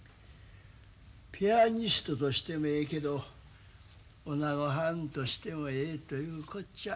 ピアニストとしてもええけどおなごはんとしてもええというこっちゃ。